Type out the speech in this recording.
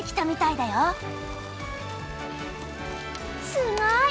すごい！